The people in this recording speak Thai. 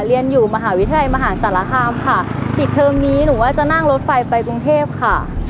เรียนอยู่มหาวิทยาลัยมหาสารคามค่ะปิดเทอมนี้หนูว่าจะนั่งรถไฟไปกรุงเทพค่ะ